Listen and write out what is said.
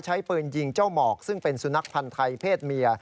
ใช้ปืนยิงเจ้าหมอกซึ่งเป็นสุนัขพันธ์ไทยเพศเมีย